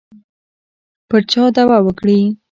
پر چا دعوه وکړي.